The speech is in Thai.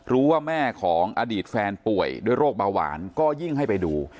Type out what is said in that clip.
แม่ของอดีตแฟนป่วยด้วยโรคเบาหวานก็ยิ่งให้ไปดู